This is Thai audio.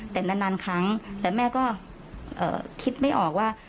แต่นานครั้งแต่แม่ก็คิดไม่ออกว่า